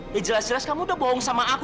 ya jelas jelas kamu udah bohong sama aku